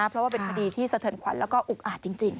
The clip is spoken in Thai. เพราะว่าเป็นคดีที่เสถินขวัญและอุกอาจจริง